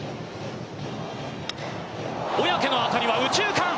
小宅の当たりは右中間！